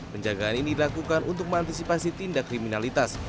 penjagaan ini dilakukan untuk mengantisipasi tindak kriminalitas